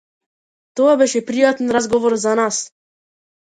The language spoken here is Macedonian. Тоа беше пријатен разговор за нас.